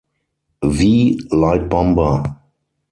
V light bomber.